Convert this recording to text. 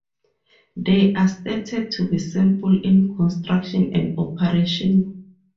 They are stated to be simple in construction and operation.